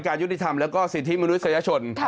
ยุติธรรมแล้วก็สิทธิมนุษยชน